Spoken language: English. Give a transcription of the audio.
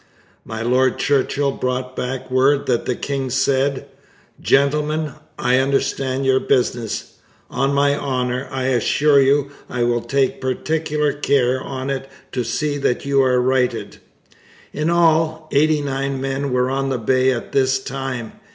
My Lord Churchill brought back word that the king said: 'Gentlemen, I understand your business! On my honour, I assure you I will take particular care on it to see that you are righted.' In all, eighty nine men were on the Bay at this time.